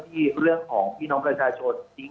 ที่เรื่องของพี่น้องประชาชน